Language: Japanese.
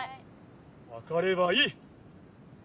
わかればいい！